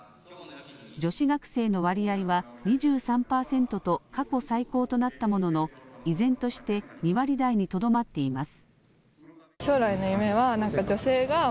女子学生の割合は２３％と、過去最高となったものの、依然として２割台にとどまっています。